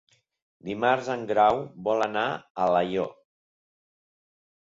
Dimarts en Grau vol anar a Alaior.